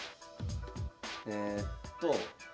えっと。